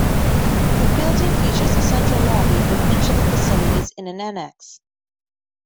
The building features a central lobby with each of the facilities in an annex.